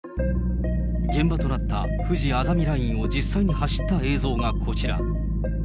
現場となったふじあざみラインを実際に走った映像がこちら。